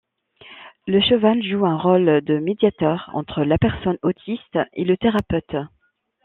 Le cheval joue un rôle de médiateur entre la personne autiste et le thérapeute.